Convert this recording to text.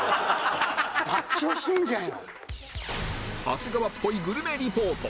長谷川っぽいグルメリポート